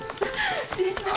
失礼します。